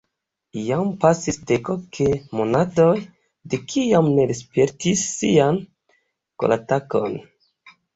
Jam pasis dek ok monatoj de kiam Ned spertis sian koratakon.